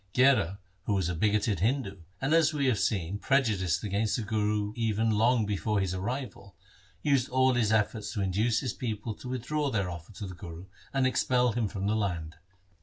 Gherar, who was a bigoted Hindu, and, as we have seen, prejudiced against the Guru even long before his arrival, used all his efforts to induce his people to withdraw their offer to the Guru and expel him from the land.